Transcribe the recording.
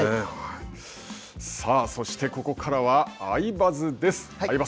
さあそしてここからは「アイバズ」です。